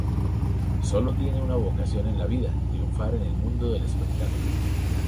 Solo tiene una vocación en la vida: Triunfar en el mundo del espectáculo.